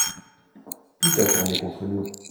Tout a tourné contre nous.